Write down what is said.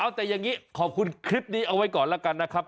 เอาแต่อย่างนี้ขอบคุณคลิปนี้เอาไว้ก่อนแล้วกันนะครับ